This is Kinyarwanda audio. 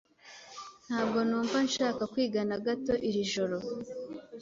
Ntabwo numva nshaka kwiga na gato iri joro.